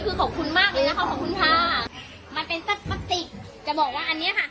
คือขอบคุณมากเลยนะคะขอบคุณค่ะมันเป็นสักพลาสติกจะบอกว่าอันเนี้ยค่ะ